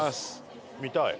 見たい。